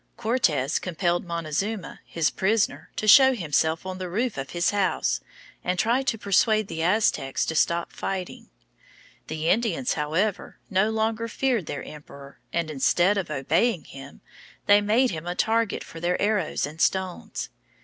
Cortes compelled Montezuma, his prisoner, to show himself on the roof of his house and try to persuade the Aztecs to stop fighting. The Indians, however, no longer feared their emperor, and instead of obeying him, they made him a target for their arrows and stones.